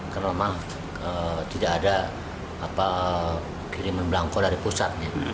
karena memang tidak ada kiriman belangko dari pusatnya